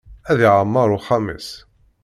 Ad yeɛmer uxxam-is.